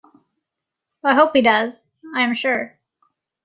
I hope he does, I am sure.